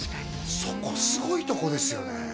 そこすごいとこですよね